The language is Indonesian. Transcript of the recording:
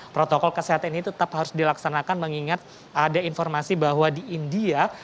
protokol kesehatan ini tetap harus dilaksanakan mengingat ada informasi bahwa di india